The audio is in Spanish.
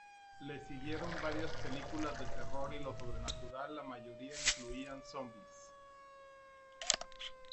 Le siguieron varias películas de terror y lo sobrenatural, la mayoría incluían zombis.